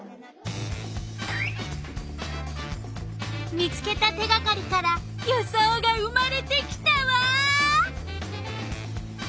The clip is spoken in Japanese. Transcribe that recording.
見つけた手がかりから予想が生まれてきたわ！